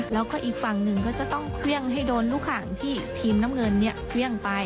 แล้วก็อีกฝั่งหนึ่งก็จะต้องเครื่องให้โดนลูกขังที่ทีมน้ำเงินเครื่องไป